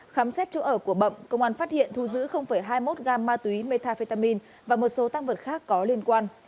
khám xét chỗ ở của bậm công an phát hiện thu giữ hai mươi một gam ma túy metafetamin và một số tăng vật khác có liên quan